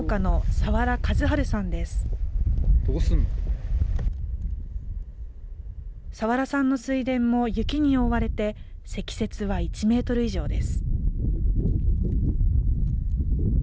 佐原さんの水田も雪に覆われて、積雪は１メートル以上です。